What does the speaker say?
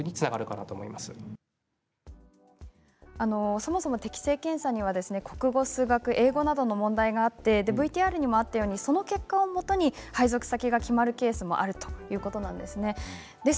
そもそも適性検査には国語や数学、英語などの問題があってＶＴＲにもあったようにその結果をもとに配属先が決まるケースもあるんです。